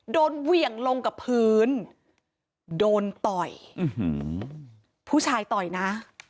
เหวี่ยงลงกับพื้นโดนต่อยผู้ชายต่อยนะ